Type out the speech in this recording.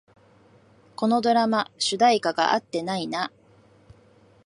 このドラマ、主題歌が合ってないな